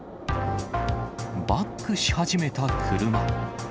バックし始めた車。